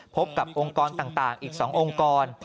พบกับองค์กรต่างอีก๒องค์กร